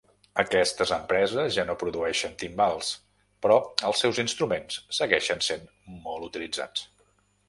Aquestes empreses ja no produeixen timbals, però els seus instruments segueixen sent molt utilitzats.